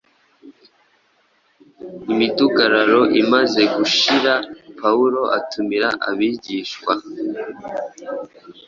Imidugararo imaze gushira, Pawulo atumira abigishwa,